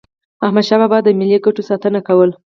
احمدشاه بابا به د ملي ګټو ساتنه کوله.